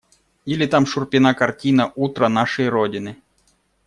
Или там Шурпина картина «Утро нашей родины».